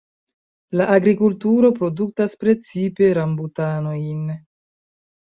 La agrikulturo produktas precipe rambutanojn.